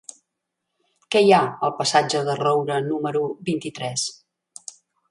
Què hi ha al passatge de Roura número vint-i-tres?